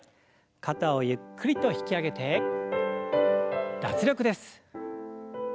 肩をゆっくりと引き上げて脱力です。